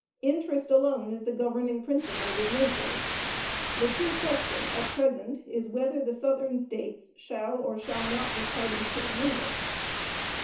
Interest alone is the governing principle with nations. The true question at present is, whether the Southern States shall or shall not be parties to the Union.